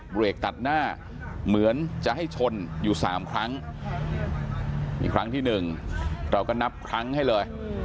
เบรกตัดหน้าเหมือนจะให้ชนอยู่๓ครั้งมีครั้งที่หนึ่งเราก็นับครั้งให้เลย